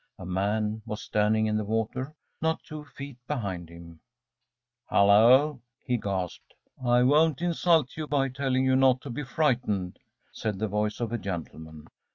A man was standing in the water not two feet behind him. ‚ÄúHolloa,‚ÄĚ he gasped. “I won't insult you by telling you not to be frightened,‚ÄĚ said the voice of a gentleman.